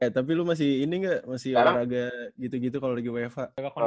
tapi lo masih ini ga masih warna gitu gitu kalo lagi wefa